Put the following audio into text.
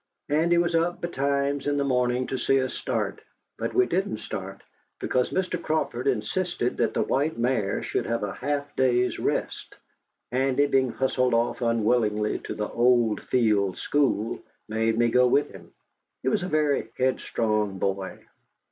Andy was up betimes in the morning, to see us start. But we didn't start, because Mr. Crawford insisted that the white mare should have a half day's rest. Andy, being hustled off unwillingly to the "Old Field" school, made me go with him. He was a very headstrong boy.